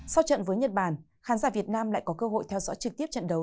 sau trận với nhật bản khán giả việt nam lại có cơ hội theo dõi trực tiếp trận đấu